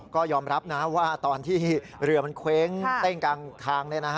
ก็ยอมรับนะว่าตอนที่เรือมันเคว้งเต้งกลางทาง